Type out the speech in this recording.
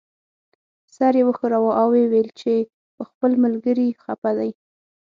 سر یې وښوراوه او یې وویل چې په خپل ملګري خپه دی.